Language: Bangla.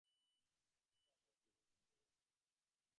হ্যা, খুবই মারাত্মক সালা মাথামোটা!